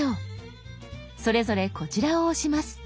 それぞれこちらを押します。